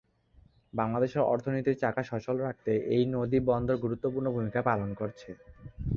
বাংলাদেশের অর্থনীতির চাকা সচল রাখতে এই নদী বন্দর গুরুত্বপূর্ণ ভূমিকা পালন করছে।